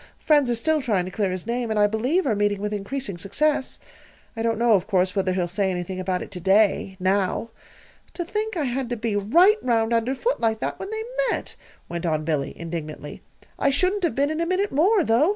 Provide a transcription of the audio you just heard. Friends are still trying to clear his name, and I believe are meeting with increasing success. I don't know, of course, whether he'll say anything about it to day now. To think I had to be right round under foot like that when they met!" went on Billy, indignantly. "I shouldn't have been, in a minute more, though.